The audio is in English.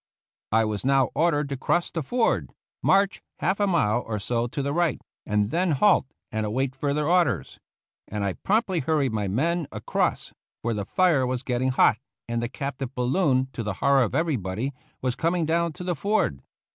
I was now ordered to cross the ford, march half a mile or so to the right, and then halt and await lig THE ROUGH RIDERS further orders ; and I promptly hurried my men across, for the fire was getting hot, and the captive balloon, to the horror of everybody, was coming down to the ford.